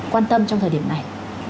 quan tâm trong thời điểm này